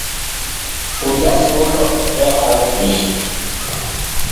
Und das sollte er auch nicht.